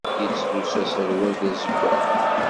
Yettlussu aserwal d azeggaɣ.